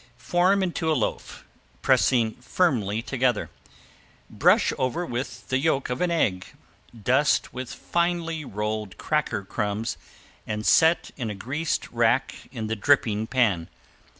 Form into a loaf, pressing firmly together. Brush over with the yolk of an egg, dust with finely rolled cracker crumbs and set in a greased rack in the dripping pan.